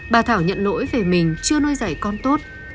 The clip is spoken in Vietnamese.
bà thảo nhận lỗi về mình chưa nuôi dạy con tốt